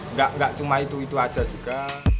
nggak cuma itu itu aja juga